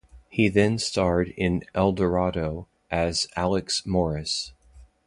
He then starred in "Eldorado", as Alex Morris.